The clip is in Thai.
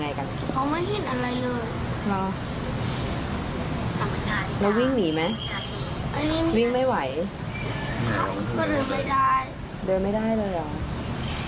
แต่เราไม่คิดว่ามันเป็นระเบิดใช่ไหมมันมีกี่ลูกตรงนั้น